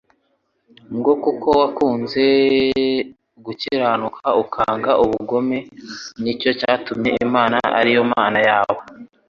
ngo: "kuko wakunze gukiranuka ukanga ubugome nicyo cyatumye Imana ari yo Mana yawe